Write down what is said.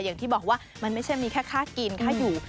อย่างที่บอกว่ามันไม่ใช่มีแค่ค่ากินค่าอยู่